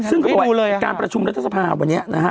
ซึ่งที่ดูเลยอ่ะการประชุมรัฐสภาวณ์วันนี้นะฮะ